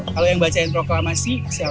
kalau yang bacain proklamasi